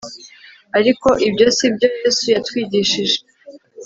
ariko ibyo si byo Yesu yatwigishije